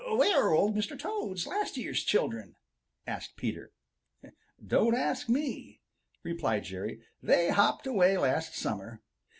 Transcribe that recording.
"Where are Old Mr. Toad's last year's children?" asked Peter. "Don't ask me," replied Jerry. "They hopped away last summer.